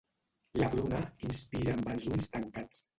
La Bruna inspira amb els ulls tancats.